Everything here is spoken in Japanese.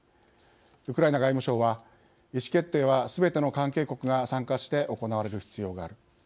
ウクライナ外務省は「意思決定は、すべての関係国が参加して行われる必要がある。